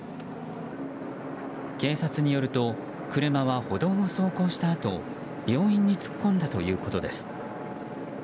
警察によると車は歩道を走行したあと病院に突っ込んだということです。